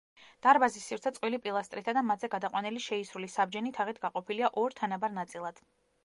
დარბაზის სივრცე წყვილი პილასტრითა და მათზე გადაყვანილი შეისრული საბჯენი თაღით გაყოფილია ორ თანაბარ ნაწილად.